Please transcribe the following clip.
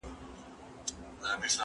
زه مخکي کتابونه ليکلي وو؟!